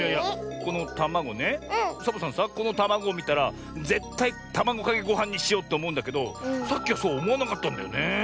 このたまごをみたらぜったいたまごかけごはんにしようっておもうんだけどさっきはそうおもわなかったんだよね。